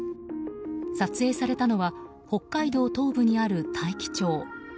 撮影されたのは北海道東部にある大樹町。